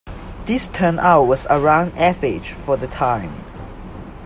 This turnout was around average for the time.